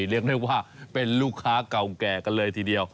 เรียกได้ว่าเป็นลูกค้าเก่าแก่กันเลยทีเดียว